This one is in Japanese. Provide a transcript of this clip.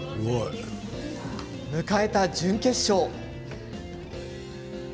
迎えた準決勝。